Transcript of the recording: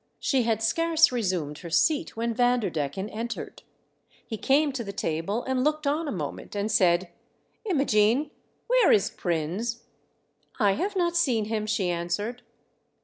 She had scarce resumed her seat when Vanderdecken entered. He came to the table and looked on a moment, and said :" Imogene, where is Prins ?"" I have not seen him," she answered.